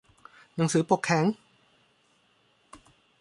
หนังสือปกแข็ง